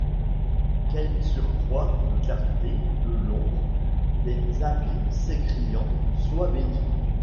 Quel surcroît de clarté que l’ombre des abîmesS’écriant: Sois béni!